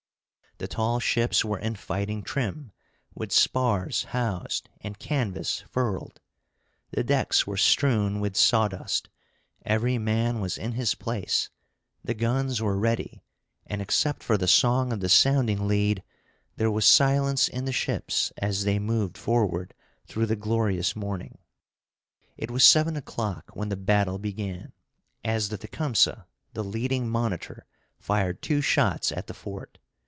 The tall ships were in fighting trim, with spars housed, and canvas furled. The decks were strewn with sawdust; every man was in his place; the guns were ready, and except for the song of the sounding lead there was silence in the ships as they moved forward through the glorious morning. It was seven o'clock when the battle began, as the Tecumseh, the leading monitor, fired two shots at the fort.